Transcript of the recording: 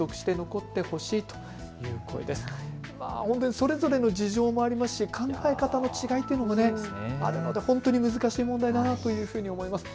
それぞれの事情もありますし考え方の違いというのもあるので本当に難しい問題だなというふうに思います。